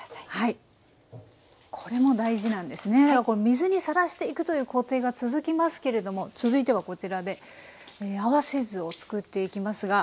水にさらしていくという工程が続きますけれども続いてはこちらで合わせ酢を作っていきますが。